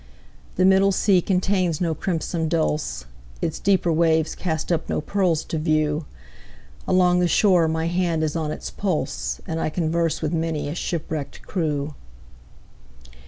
The middle sea contains no crimson dulse, Its deeper waves cast up no pearls to view; Along the shore my hand is on its pulse, And I converse with many a shipwrecked crew.